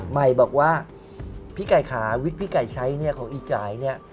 ไหมบอกว่าพี่ไก่ขาวิกพี่ไก่ใช้ของอีจาย